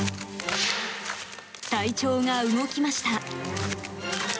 隊長が動きました。